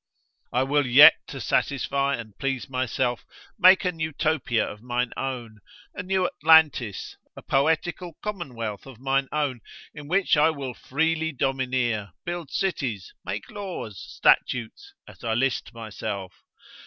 I will yet, to satisfy and please myself, make an Utopia of mine own, a new Atlantis, a poetical commonwealth of mine own, in which I will freely domineer, build cities, make laws, statutes, as I list myself.